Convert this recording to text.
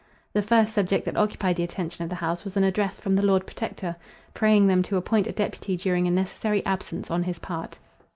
The first subject that occupied the attention of the house was an address from the Lord Protector, praying them to appoint a deputy during a necessary absence on his part.